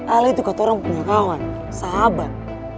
ale itu kotoran punya kawan sahabat